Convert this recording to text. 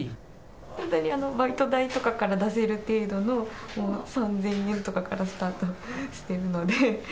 本当にバイト代とかから出せる程度の、もう３０００円とかからスタートしてるので。